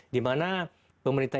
di mana pemerintah